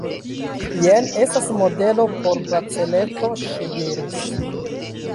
Jen estas modelo por braceleto, ŝi diris.